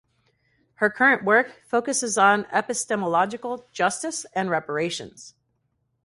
Her current work focuses on epistemological justice and reparations.